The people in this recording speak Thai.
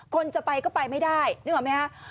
คนจะไปก็ไปไม่ได้นึกออกไหมฮะ